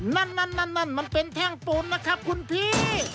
นั่นนั่นมันเป็นแท่งปูนนะครับคุณพี่